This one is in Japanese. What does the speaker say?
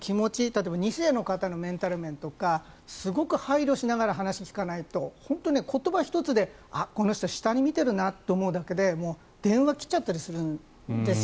例えば２世の方のメンタル面とかすごく配慮しながら話を聞かないと本当に言葉１つで、この人下に見てるなって思うだけで電話切っちゃったりするんです。